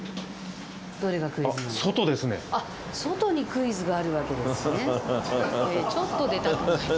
あっ外にクイズがあるわけですね。